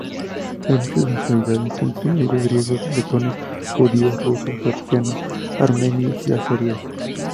Había muchas nacionalidades entre ellos: griegos, letones, judíos, rusos, georgianos, armenios y azeríes.